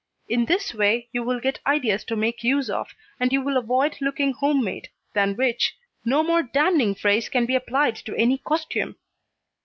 In this way you will get ideas to make use of and you will avoid looking home made, than which, no more damning phrase can be applied to any costume.